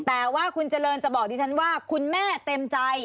แต่ว่าคุณเจริญจะบอกดิฉันว่าคุณแม่เต็มใจ